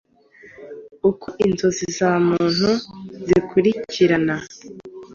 uko inzozi za muntu zikurikirana,